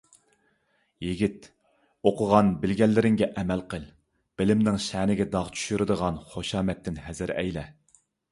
يىگىت، ئوقۇغان - بىلگەنلىرىڭگە ئەمەل قىل، بىلىمنىڭ شەنىگە داغ چۈشۈرىدىغان خۇشامەتتىن ھەزەر ئەيلە!